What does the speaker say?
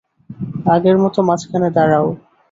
আগের মত মাঝখানে দাঁড়াও।